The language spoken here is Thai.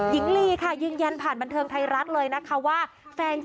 หญิงลีค่ะยืนยันผ่านบันเทิงไทยรัฐเลยนะคะว่า